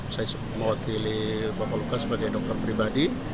saya memuat pilih bapak luka sebagai dokter pribadi